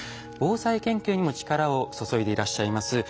防災研究にも力を注いでいらっしゃいます